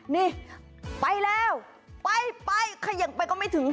นี่ไปแล้วไปไปเขย่งไปก็ไม่ถึง